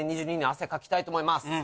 ２０２２年汗をかきたいと思います。